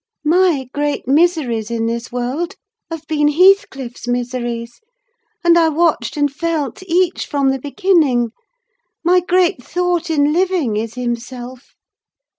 My great miseries in this world have been Heathcliff's miseries, and I watched and felt each from the beginning: my great thought in living is himself.